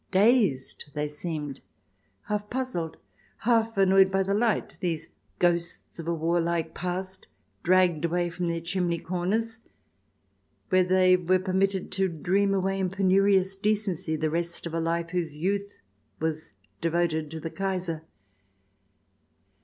Dazed they seemed, half puzzled, half annoyed by the light, these ghosts of a warlike past dragged away from their chimney corners where they are permitted to dream away in penurious decency the rest of a life whose youth was devoted to the Kaiser.